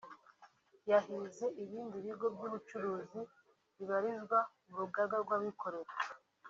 yahize ibindi bigo by’ubucuruzi bibarizwa mu rugaga rw’abikorera